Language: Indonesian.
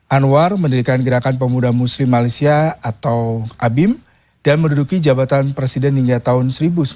anwar mendirikan gerakan pemuda muslim malaysia atau abim dan menduduki jabatan presiden hingga tahun seribu sembilan ratus sembilan puluh